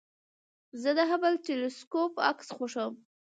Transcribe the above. زه د هبل ټېلسکوپ عکس خوښوم.